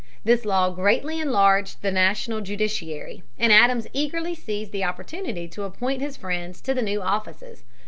This law greatly enlarged the national judiciary, and Adams eagerly seized the opportunity to appoint his friends to the new offices.